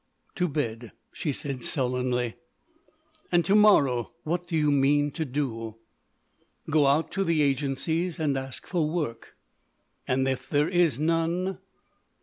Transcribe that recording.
"To bed," she said, sullenly. "And to morrow what do you mean to do?" "Go out to the agencies and ask for work." "And if there is none?"